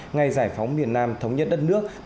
ngày giải phóng miền nam thống nhất đất nước